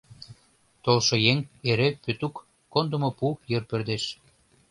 Толшо еҥ эре Пӧтук кондымо пу йыр пӧрдеш.